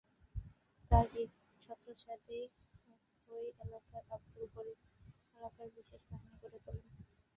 তাঁর ছত্রচ্ছায়াতেই একই এলাকার আবদুল করিম এলাকায় বিশেষ বাহিনী গড়ে তোলেন।